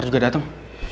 ntar juga dateng